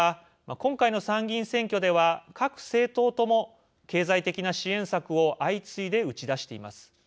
今回の参議院選挙では各政党とも経済的な支援策を相次いで打ち出しています。